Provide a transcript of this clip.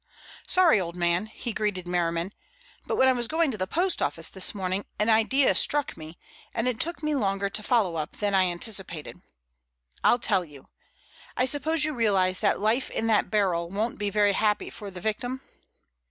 "Sorry, old man," he greeted Merriman, "but when I was going to the post office this morning an idea struck me, and it took me longer to follow up than I anticipated. I'll tell you. I suppose you realize that life in that barrel won't be very happy for the victim?"